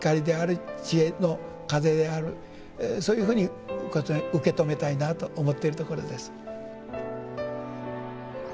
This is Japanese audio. そういうふうに受け止めたいなと思っているところです。